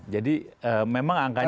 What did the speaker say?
jadi memang angkanya